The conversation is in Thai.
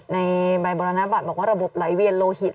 ในใบบรรณบัตรบอกว่าระบบไหลเวียนโลหิต